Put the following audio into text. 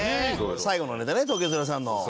最後のネタね東京０３の。